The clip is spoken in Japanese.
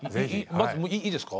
まずいいですか？